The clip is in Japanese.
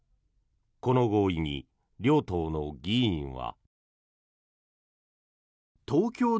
この合意に、両党の議員は。